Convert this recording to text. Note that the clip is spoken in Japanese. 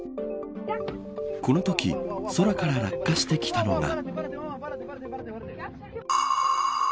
このとき空から落下してきたのが。